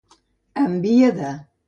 En via de.